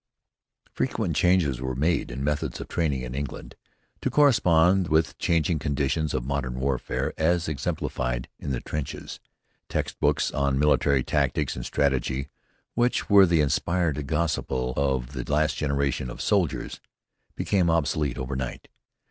Frequent changes were made in methods of training in England, to correspond with changing conditions of modern warfare as exemplified in the trenches. Textbooks on military tactics and strategy, which were the inspired gospel of the last generation of soldiers, became obsolete overnight.